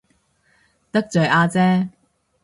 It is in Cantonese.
得罪阿姐